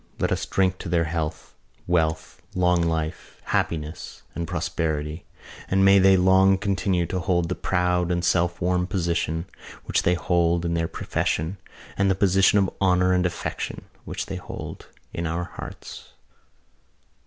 Let us drink to their health, wealth, long life, happiness and prosperity and may they long continue to hold the proud and self won position which they hold in their profession and the position of honour and affection which they hold in our hearts."